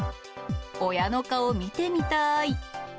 親の顔見てみたーい。